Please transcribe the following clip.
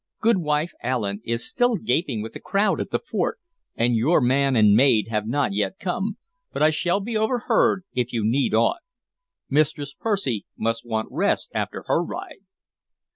Goodwife Allen is still gaping with the crowd at the fort, and your man and maid have not yet come, but I shall be overhead if you need aught. Mistress Percy must want rest after her ride."